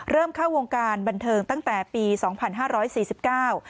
เริ่มเข้าวงการบันเทิงตั้งแต่ปีสองพันห้าร้อยสี่สิบเก้า